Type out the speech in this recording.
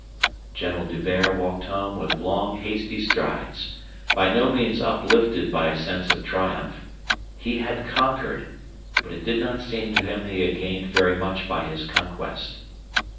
General D'Hubert walked home with long, hasty strides, by no means uplifted by a sense of triumph. He had conquered, but it did not seem to him he had gained very much by his conquest.